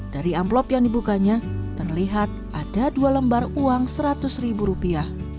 dari amplop yang dibukanya terlihat ada dua lembar uang seratus ribu rupiah